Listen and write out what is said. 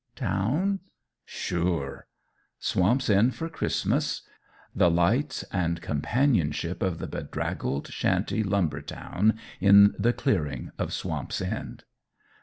Town? Sure! Swamp's End for Christmas the lights and companionship of the bedraggled shanty lumber town in the clearing of Swamp's End!